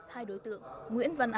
hai đối tượng nguyễn văn anh